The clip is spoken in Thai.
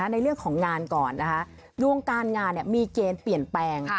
ในเรื่องของงานก่อนนะคะดวงการงานมีเกณฑ์เปลี่ยนแปลง